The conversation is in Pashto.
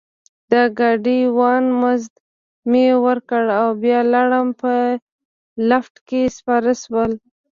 د ګاډي وان مزد مې ورکړ او بیا لوړ په لفټ کې سپاره شوو.